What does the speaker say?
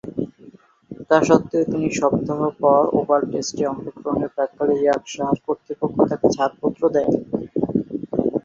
তাস্বত্ত্বেও তিন সপ্তাহ পর ওভাল টেস্টে অংশগ্রহণের প্রাক্কালে ইয়র্কশায়ার কর্তৃপক্ষ তাকে ছাড়পত্র দেয়নি।